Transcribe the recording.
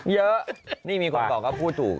เยอะนี่มีคนบอกว่าพูดถูก